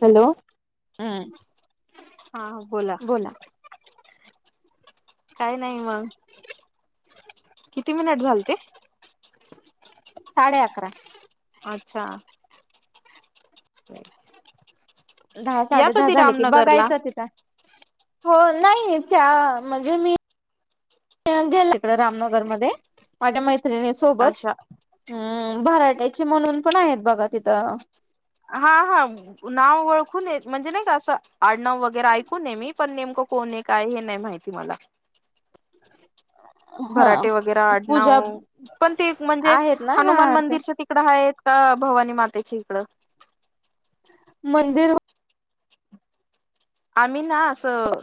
Hello हम्म हा बोला काइ नाइ मंग किती मिनिट झालते साडे आकरा आच्छा धा साडे धा झाले की रामनगरला बगायचं तित हो नाई त्या म्हणजे मी [unintelligible] इकड रामनगरमदे माज्या मैत्रिणीं सोबत अशा हम्म भराट्याचे म्हणून पण आहेत बघा तिथं हा हा नाव ओळखून आहे म्हणजे नाही का असं आडनाव वगैरे ऐकून आहे मी पण नेमकं कोण आहे काय हे नाही माहित तुम्हाला हा भराटे वगैरे पूजा आडनाव पण ते म्हणजे आहेत ना हनुमान हा ते मंदिरच्या तिकडं आहेत अ भवानी मातेच्याे हिकडं मंदिर आम्ही ना असं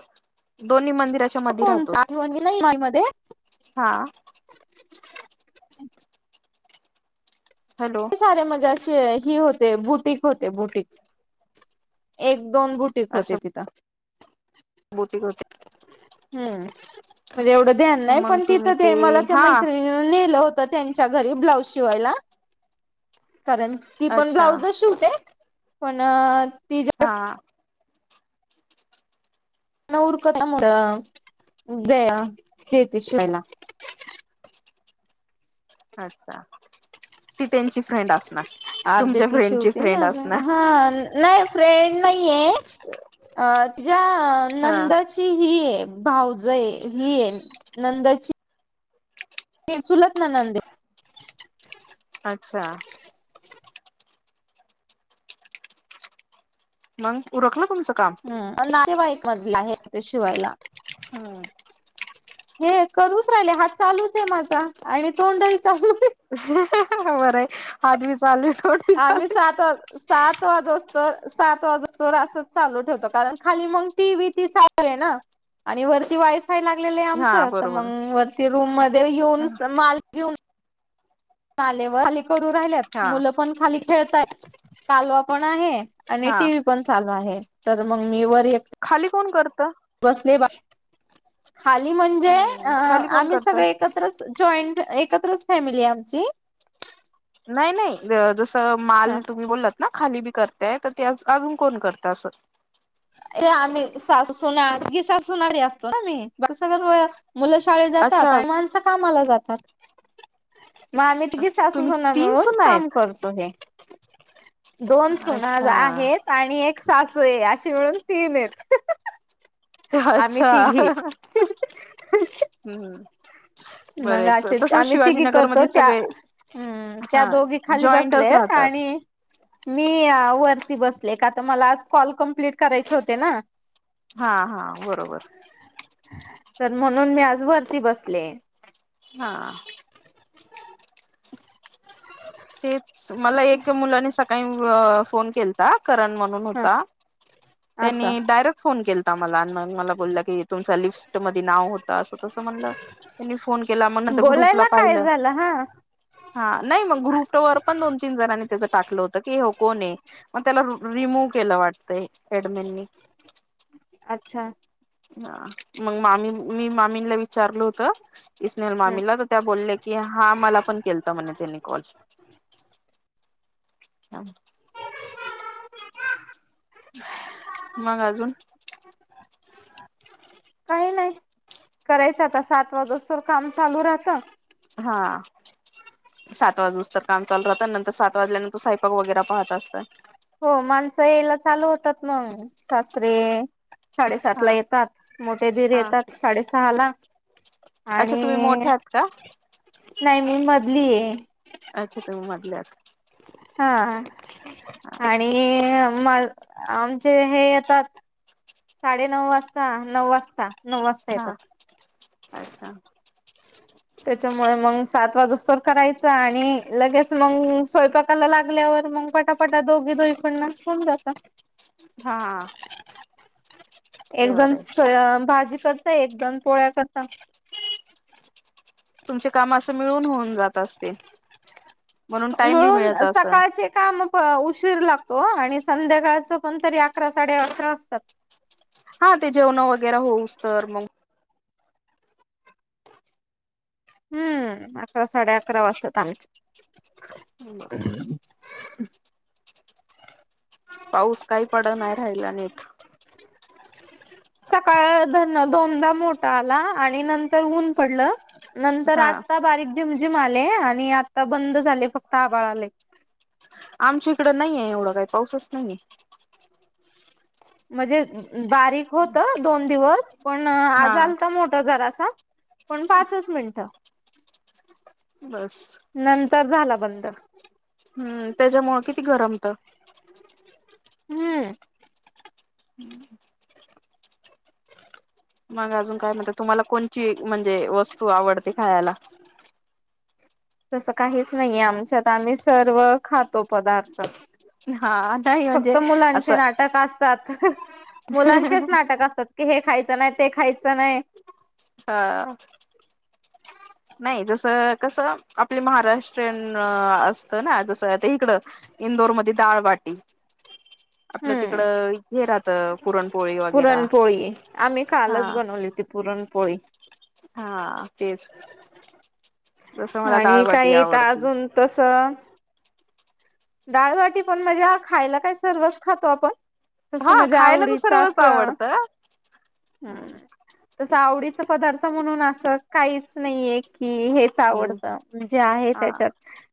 दोन्ही मंदिराच्या मध्ये कोणच राहतो आठवणी नाही माई मध्ये हा हॅलो ही सारे म्हणजे अशे ही होते बुटीक होते बुटीक एक दोन बुटीक होते तिथं बुटीक होते हम् म्हणजे एवढं ध्यान नाही मग पण तुम्ही तिथं ते मला ते हा मैत्रीण नीनं नेलं होत त्यांच्या घरी ब्लाउज शिवायला कारण ती पण अच्छा ब्लाउजच शिवते पण तिज हा न उरकल्या मुळं इथे देते शिवायला अच्छा ती त्यांची फ्रेंड असणार अर्ध तुमच्या ती फ्रेंडची शिवते ना फ्रेंड असणार. हा नाही फ्रेंड नाहीये अ तिझ्या हा नंदची ती ही भाऊजय ही नंदची ते चुलत ननंद हे अच्छा मग उरकलं तुमचं काम हम् नातेवाईक मधले आहे ते शिवायला हम्म हे करूच राहिले हात चालूच आहे माझा आणि तोंडही चालू आहे अह हं हं बरं आहे हात बी चालू डोट बी आम्ही चालू. सात सात वाजोस्त सात वाजोस्तोवर असच चालू ठेवतो कारण खाली मग टीव्ही ती चा हाय ना आणि वरती वाई फाय लागलेलं आहे हा आमचं तर बरोबर मंग वरती रूम मध्ये येऊन माल घेऊन काले व खाली करू राहिल्यात हा मुलं पण खाली खेळतायय कालवा पण आहे आणि हा टी व्ही पण चालू आहे तर मग मी वर एक खाली कोण करतं बसले बा खाली म्हणजे अ हम्म खाली कोण आम्ही करत? सगळे एकत्रच जॉईंट एकत्रच फॅमिली आहे आमची नाही नाही जसं माल हा तुम्ही बोललात खाली बी करतायेत तर ते काम कोण करत असं ए आम्ही सासू सुना ही सासू सुना ही असतो ना आम्ही बाॅक्स भराय मुलं शाळेत जातात अच्छा आणि मणसं कामाला जातात मग आम्ही तिघी सासू तुम्ही सुना तीन मिळून सुना काम आहेत करतो तुम्ही दोन सुना अच्छा. आहेत आणि एक सासू आहे अशी त्यामुळं तीनच हां हां हां अच्छा हं हं हं हम् हम मग अशेच आम्ही तिघी करतो. त्या सगळे हा हम दोघी खाली जॉईंटच बसलेत राहतात. आणि मी वरती बसले का तर मला आज कॉल कम्प्लीट करायचे होते ना. हा हा बरोबर. तर म्हणून मी आज वरती बसले. हा. तेच मला एक मुलानी सकाळी अ फोन केलता. करण म्हणून हा होता. असं त्यांनी डायरेक्ट फोन केलता मला. मग मला बोलला की, तुमच लिस्ट मध्ये नाव होतं असं. तस म्हणल्यावर त्यांनी फोन केला मग नंतर ग्रुपला बोलायला काय पाहिलं. झालं हा हा नाही. मग ग्रुप वर पण दोन- तीन जणांनी त्याचं टाकलं होतं की ह्यो कोण आहे? मग त्याला रिमूव केलं वाटतंय एडमिननी. अच्छा. हा. मग मामी. मी मामींला विचारल होत. इ स्नेहल हम्म मामीला तर त्या बोलले की, हा मला पण केलता म्हणे त्यानी कॉल. हा. मग अजून? काही नाही. करायच आता. सात वाजूस तोवर काम चालू राहतं. हा. सात वाजूस तर काम चालू राहत. आणि नंतर सात वाजल्यानंतर स्वयपाक वगैरे पाहत असतात. हो. माणसं यायला चालू होतात. मग सासरे, हा साडेसातला येतात. मोठे दीर हा येतात साडे सहाला अच्छा तुम्ही आणि मोठ्या आहात का? नाही मी मधली आहे. अच्छा तुम्ही मधल्या आहात. हा आणि आमचे हे आता साडे नऊ वाजता. नऊ वाजता. नऊ वाजता हा हा येतात. अच्छा [unintelligible] त्याच्यामुळे मग सात वाजूस तोवर करायच. आणि लगेच मग स्वयंपाकाला लागल्यावर मग पटापटा दोघी दोघी पण मग होऊन जात. हा. एक ते बरं आहे. जणस भाजी करते. एकजण पोळ्या करता. तुमचे काम असं मिळून होऊन जात असते. मिळून असल. सकाळचे काम पण उशीर लागतो. आणि संध्याकाळच पण तरी अकरा, साडे अकरा असतात. हा ते जेवण वगैरा होऊस तर मग, हम्म. अकरा, साडे अकरा वाजतात आमचे. पाऊस काही पडत नाही राहिला नीट. सकाळ दोन दोनदा मोठा आला आणि नंतर ऊन पडलं. नंतर हा आता बारीक जिम जिम आले. आणि आता बंद झाले फक्त आभाळ आले. आमच्या इकडं नाहीये. एवढं काही पाऊसच नाहीये. म्हणजे बारीक होत दोन दिवस. पण हा आज आलता मोठा जरासा. पण पाचच मिनिटं. बस. नंतर झाला बंद. हम्म. त्याच्यामुळ किती गरम होत. हम्म. [unintelligible] [unintelligible] मग अजून काय म्हणता तुम्हाला कोणची म्हणजे वस्तू आवडते खायला? तसं काहीच नाहीेये आमच्यात आम्ही सर्व खातो पदार्थ. हा नाही म्हणजे फक्त असं मुलांचे नाटक असतात. मुलांचेच नाटक असतात की हे खायचं नाही ते खायचं नाही. हा नाही जसं कसं आपली महाराष्ट्रीयन असतं ना जसं ते इकडं इंदोरमध्ये डाळबाटी, आपल्या तिकड हम्म हे राहत पुरणपोळी वगैरे, पुरणपोळी आम्ही हा. कालच बनवली होती पुरणपोळी. हा तेच. जसं मला आणि डाळबाटी काय हिथ आवडती अजून तस डाळबाटी पण म्हणजे खायला काय सर्वच खातो आपण तस हा माज्या खायला तर आवडीच सर्वच असं, आवडतं हम्म तस आवडीचा पदार्थ म्हणून असं काहीच नाहीये की हे च हम्म आवडत जे आहे हा त्याच्यात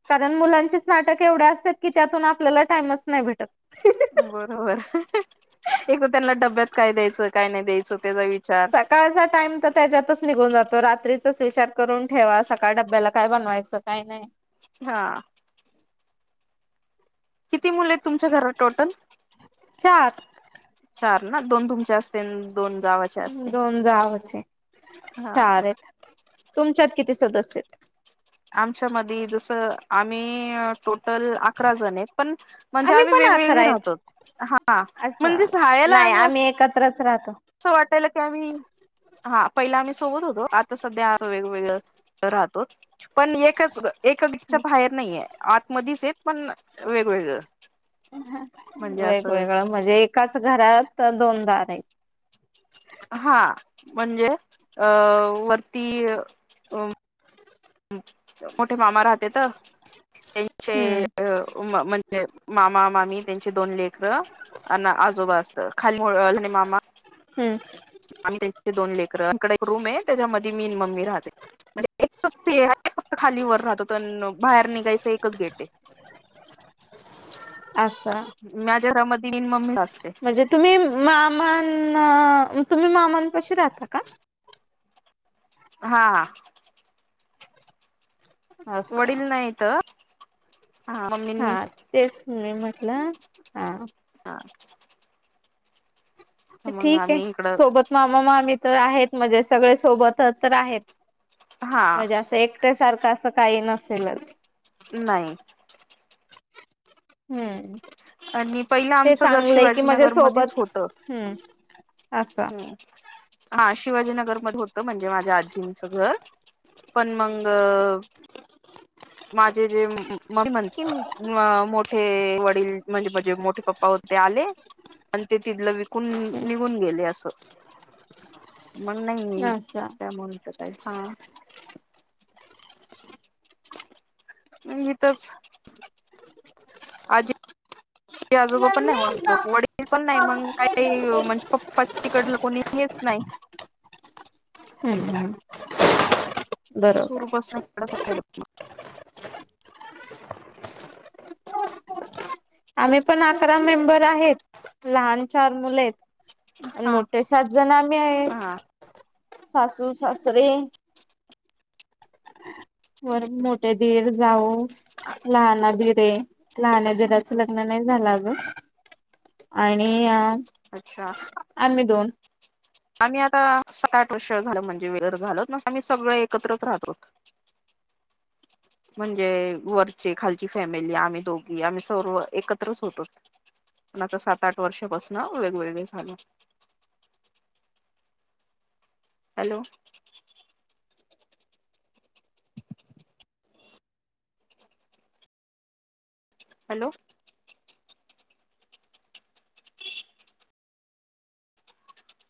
कारण मुलांचेच नाटक एवढं असता त की त्यातून आपल्याला टाइमच नाही भेटत. बरोबर, एक तर त्यांना डब्यात काय द्यायचं काय नाही द्यायचं त्याचा विचार सकाळचा टाइम तर त्याच्यातच निघून जातो, रात्रीचाच विचार करून ठेवा सकाळ डब्याला काय बनवायचं. काही नाही, हा किती मुले आहेत तुमच्या घरात टोटल? चार चार ना दोन तुमच्या असतील दोन जावचे असतील दोन जावचे हा. चार आहेत तुमच्यात किती सदस्य? आमच्या मधी जसं आम्ही टोटल अकरा जण आहेत पण म्हणजे आम्ही पण अकरा वेगवेगळे आहेत राहतो. हा म्हणजे राहायला आम्ही अस एकत्र च राहतो. अस वाटाल की आम्ही हा पहिला आम्ही सोबत होतो आता सध्या वेगवेगळं राहतोत. पण एकच एक गीच्या बाहेर नाहीये आत मधेच येत पण वेगवेगळं म्हणजे असं वेगवेगळं म्हणजे एकाच घरात दोन दार आहेत. हा म्हणजे अ वरती मोठे मामा राहतेत त्यांचे हम्म म्ह जे मामा मामी त्यांची दोन लेकर अण आजोबा असत खाली मामा हम्म आणि त्यांचे दोन लेकर कडे एक रूम आहे, त्याच्यामध्ये मी आणि मम्मी राहते. म्हणजे एकच [unintelligible] फक्त खाली वर राहतो तर बाहेर निघायचं एकच गेट आहे. असा माझ्या घरामध्ये मी आणि मम्मी असते. म्हणजे तुम्ही मामान तुम्ही मामांपशी राहता का? हा हा. असं वडील नाहीत हा तेच मी म्हटलं. हा. हा. मग ठीक ये. आम्ही इकडं सोबत मामा-मामी तर आहेत म्हणजे सगळे सोबतच तर आहेत हा म्हणजे असं एक ते सारखं असं काही नसेलच. नाइ. हम्म. आणि पहिलं ते आमचं घर चांगलंय कि मझे शिवाजीनगर मध्येच सोबत होतं. हम्. असं हा शिवाजीनगर मध्ये होत म्हणजे माझ्याआजीचं घर पण मंग माझे जे म म्ह मोठे वडील म्हणजे-म्हणजे मोठे पप्पा होते ते आले आणि ते तिथलं विकून निघून गेले असं मण नाही असं त्या [unintelligible] हिताचं आजी आजोबा पण नाही मग वडील पण नाही मग काही म्हणजे पप्पा तिकडलं कोणी हेच नाही हम हम. [unintelligible] आम्ही पण अकरा मेंबर आहेत. लहान चार मुले आहेत. हा मोठे सात जण आम्ही हा आहेत. सासू-सासरे वर मोठे धीर-जाऊ लहान दिर ये. लहान्या दीराचं लग्न नाही झालं अजून आणि अच्छा. आणि मी दोन आम्ही आता सात आठ वर्ष झाल म्हणजे वेगळ झालोत, पण आम्ही सगळे एकत्रच राहतो. [inaudible] म्हणजे वरचे, खालची फॅमिली, आम्ही दोघी आम्ही सर्व एकत्रच होतो. आता सात, आठ वर्षापासन वेगवेगळे झालो. Hello hello